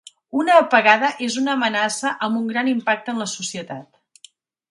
Una apagada és una amenaça amb un gran impacte en la societat.